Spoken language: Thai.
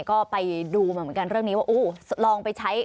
ก็ไปดูมาเหมือนกันเรื่องนี้ว่าอู้ลองไปใช้